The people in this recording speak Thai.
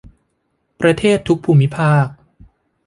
ประเทศทุกภูมิภาค